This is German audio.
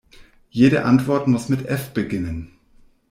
Jede Antwort muss mit F beginnen.